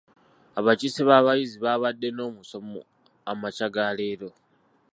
Abakiise b'abayizi baabadde n'omusomo amakya ga leero.